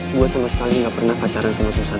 gue sama sekali gak pernah pacaran sama susat